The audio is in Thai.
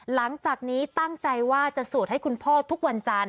หลังจากนี้ตั้งใจว่าจะสวดให้คุณพ่อทุกวันจันทร์